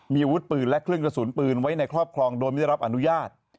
มีอาวุธปืนและเครื่องกระสุนปืนไว้ในครอบครองโดยไม่ได้รับอนุญาต